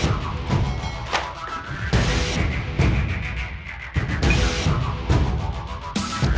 afif buka pintunya nih mama